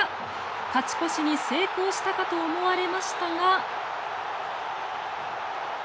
勝ち越しに成功したかと思われましたが。